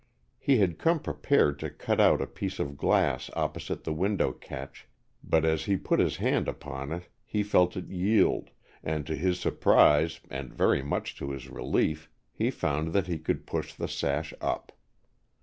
He had come prepared to cut out a piece of glass opposite the window catch, but as he put his hand upon it he felt it yield, and to his surprise and very much to his relief he found that he could push the sash up.